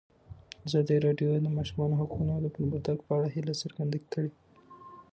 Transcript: ازادي راډیو د د ماشومانو حقونه د پرمختګ په اړه هیله څرګنده کړې.